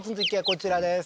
こちらです